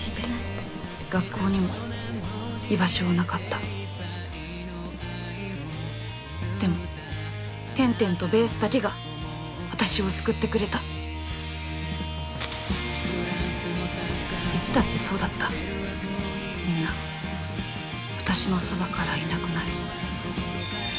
学校にも居場所がなかったでもｔｅｎｔｅｎとベースだけが私を救ってくれたいつだってそうだったみんな私のそばからいなくなる